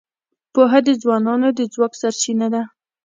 پوهه د ځوانانو د ځواک سرچینه ده.